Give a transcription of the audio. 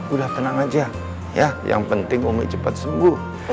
udah tenang aja ya yang penting umi cepat sembuh